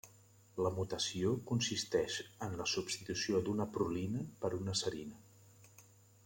La mutació consisteix en la substitució d'una prolina per una serina.